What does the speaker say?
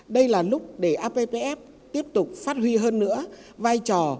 đây là lúc để appf tiếp tục phát huy hơn nữa vai trò